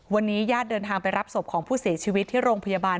วันนี้ญาติเดินทางไปรับศพของผู้เสียชีวิตที่โรงพยาบาล